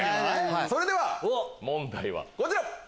それでは問題はこちら！